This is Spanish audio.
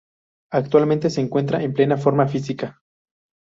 Actualmente, se encuentra en plena forma física.